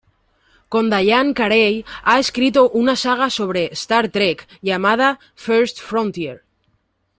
Con Diane Carey, ha escrito una saga sobre "Star Trek", llamada "First Frontier.